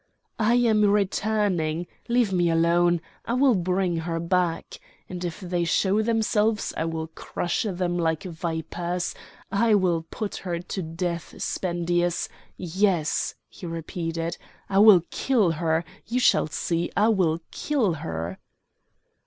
"I am returning! Let me alone! I will bring her back! And if they show themselves I will crush them like vipers! I will put her to death, Spendius! Yes," he repeated, "I will kill her! You shall see, I will kill her!"